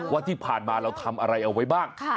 ว่าที่ผ่านมาเราทำอะไรเอาไว้บ้าง